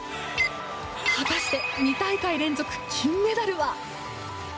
果たして、２大会連続金メダルは？